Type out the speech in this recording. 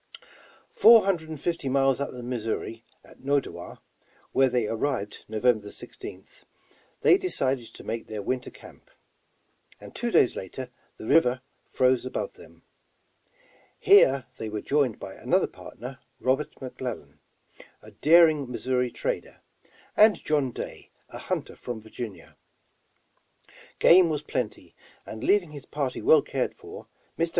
Four hundred and fifty miles up the Missouri, at No dowa, where they arrived Nov. 16th, they decided to make their winter camp, and two days later the river froze above them. Here they were joined by another partner, Robert McLellan, a daring Missouri trader, and John Day, a hunter from Virginia. Game was plenty and leaving his party well cared for, ]\Ir.